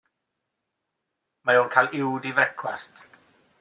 Mae o'n cael uwd i frecwast.